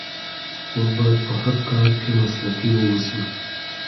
موږ باید په هر کار کې مسلکي واوسو.